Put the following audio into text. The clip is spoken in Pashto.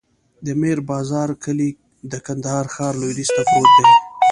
د میر بازار کلی د کندهار ښار لویدیځ ته پروت دی.